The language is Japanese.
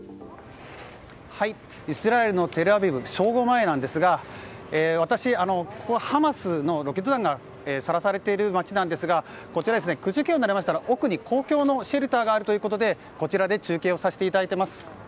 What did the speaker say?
イスラエルのテルアビブ正午前なんですが私、ここハマスのロケット弾がさらされている街なんですがこちら、空襲警報が鳴りましたら奥にシェルターがあるということでこちらで中継をさせていただいています。